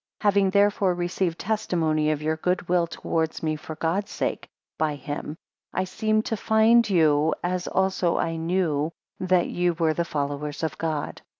4 Having therefore received testimony of your good will towards me for God's sake, by him; I seemed to find you, as also I knew that ye were the followers of God.